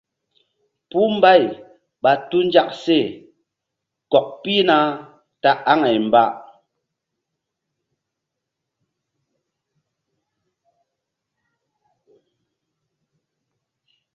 Puh mbay ɓa tu nzak she kɔk pihna ta aŋay mba.